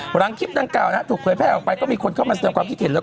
หลังคิดทั้งเก่าศูนย์แภกออกไปมีคนเข้ามเซ็นความทิเทียน